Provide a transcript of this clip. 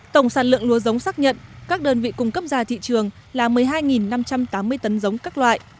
tổng sản lượng lúa giống xác nhận các đơn vị cung cấp ra thị trường là một mươi hai năm trăm tám mươi tấn giống các loại